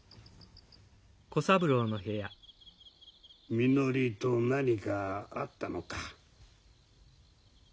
みのりと何かあったのか？